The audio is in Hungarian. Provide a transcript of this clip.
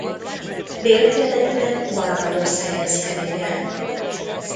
Délkeletre Barbados helyezkedik el.